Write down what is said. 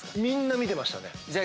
みんな見てましたね。